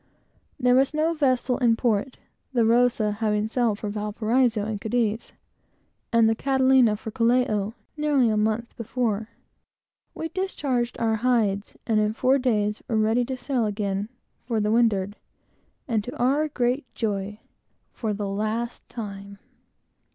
There was no vessel in port, the Rosa having sailed for Valparaiso and Cadiz, and the Catalina for Callao, nearly a month before. We discharged our hides, and in four days were ready to sail again for the windward; and, to our great joy for the last time!